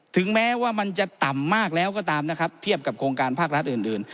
ถึงแม้ว่ามันจะต่ำมากแล้วก็ตามนะครับเทียบกับโครงการภาครัฐอื่น